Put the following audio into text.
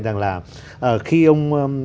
rằng là khi ông